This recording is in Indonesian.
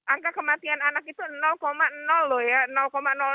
angka kematian anak itu loh ya